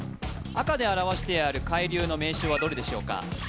赤で表してある海流の名称はどれでしょうか？